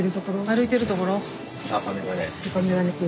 歩いてるところ？